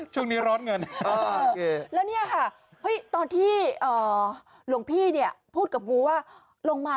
ช่วงนี้ร้อนเงินแล้วนี่ค่ะตอนที่ลงพี่พูดกับวูว่า